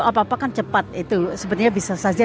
apa apa kan cepat itu sebetulnya bisa saja